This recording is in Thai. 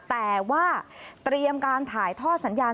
แต่ว่าเตรียมการถ่ายทอดสัญญาณ